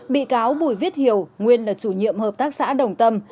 bị cáo bùi viết hiểu nguyên là chủ nhiệm hợp tác xã đồng tâm